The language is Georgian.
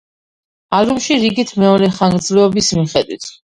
ალბომში რიგით მეორე ხანგრძლივობის მიხედვით.